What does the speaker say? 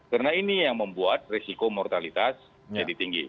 karena ini yang membuat resiko mortalitas jadi tinggi